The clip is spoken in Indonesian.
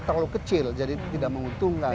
terlalu kecil jadi tidak menguntungkan